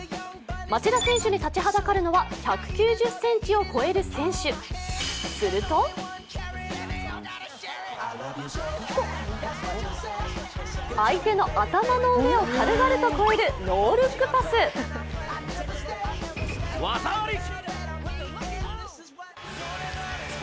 町田選手に立ちはだかるのは１９０ｃｍを超える選手すると相手の頭の上を軽々と越えるノールックパス。